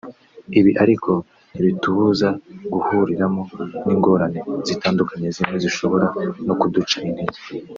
ibi ariko ntibitubuza guhuriramo n’ingorane zitandukanye zimwe zishobora no kuduca intege